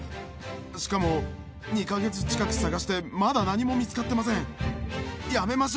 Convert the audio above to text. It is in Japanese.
しかも、２か月近く捜してまだ何も見つかってません。